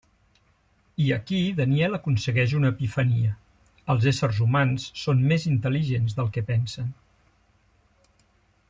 I aquí Daniel aconsegueix una epifania: els éssers humans són més intel·ligents del que pensen.